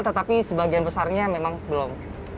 tetapi sebagian besarnya memang belum